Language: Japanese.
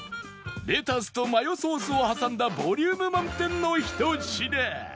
レタスとマヨソースを挟んだボリューム満点のひと品